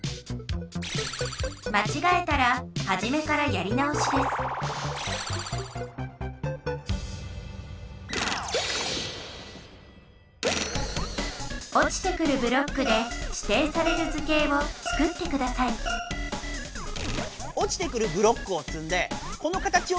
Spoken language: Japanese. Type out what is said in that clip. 間ちがえたらはじめからやり直しですおちてくるブロックでしていされる図形をつくってくださいおちてくるブロックをつんでこの形をつくればいいんだね。